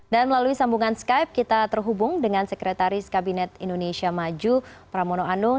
dan melalui sambungan skype kita terhubung dengan sekretaris kabinet indonesia maju pramono anung